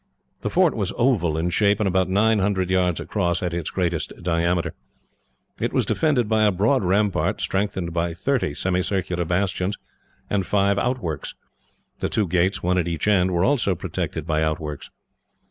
The fort was oval in shape, and about nine hundred yards across, at its greatest diameter. It was defended by a broad rampart, strengthened by thirty semicircular bastions and five outworks. The two gates, one at each end, were also protected by outworks.